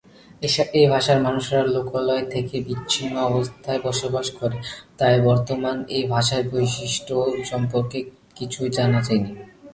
এই ভাষার মানুষেরা লোকালয় থেকে বিচ্ছিন্ন অবস্থায় বসবাস করে, তাই বর্তমানে এই ভাষার বৈশিষ্ট সম্পর্কে কিছুই জানা যায়নি।